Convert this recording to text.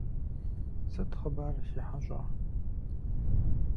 Сыт хъыбар, си хьэщӀэ?